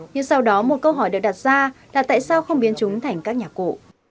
nhưng sau đó một câu hỏi được đặt ra là tại sao không biến chúng thành các nhà cụ